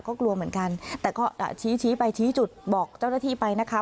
ก็กลัวเหมือนกันแต่ก็ชี้ไปชี้จุดบอกเจ้าหน้าที่ไปนะคะ